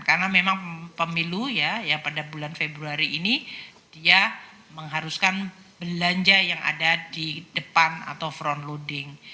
karena memang pemilu ya pada bulan februari ini dia mengharuskan belanja yang ada di depan atau front loading